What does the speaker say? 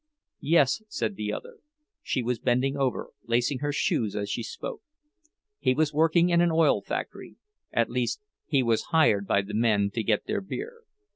"Yes," said the other; she was bending over, lacing her shoes as she spoke. "He was working in an oil factory—at least he was hired by the men to get their beer.